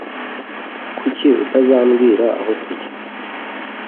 Kuki utazambwira aho tujya?